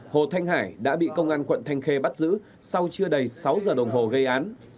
hồ thanh hải đã bị công an quận thanh khê bắt giữ sau chưa đầy sáu giờ đồng hồ gây án